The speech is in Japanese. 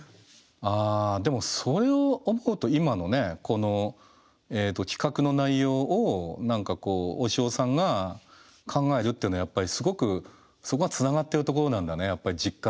あでもそれを思うと今のねこの企画の内容をおしおさんが考えるっていうのはやっぱりすごくそこがつながってるところなんだね実感を持って。